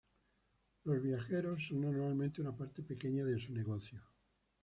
Los viajeros son normalmente una parte pequeña de su negocio.